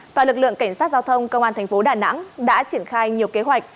toàn lực lượng cảnh sát giao thông công an thành phố đà nẵng đã triển khai nhiều kế hoạch